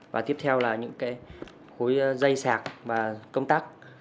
và tiếp theo là những cái khối dây sạc và công tác